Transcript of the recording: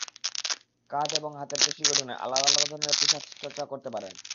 কাঁধ এবং হাতের পেশি গঠনে আলাদা আলাদা ধরনের পুশ-আপস চর্চা করতে পারেন।